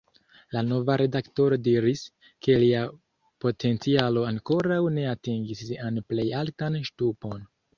La nova redaktoro diris, ke lia potencialo ankoraŭ ne atingis sian plej altan ŝtupon.